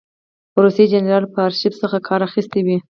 روسي جنرال به له آرشیف څخه کار اخیستی وي.